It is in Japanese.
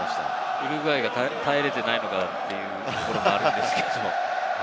ウルグアイが耐えられていないのがというところがありますけれども。